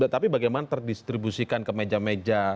tapi bagaimana terdistribusikan ke meja meja